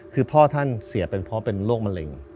คือพ่อท่านเสียเป็นเพราะเป็นโรคมะเร็ง